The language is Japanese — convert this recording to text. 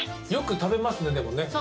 よく食べますねでもね。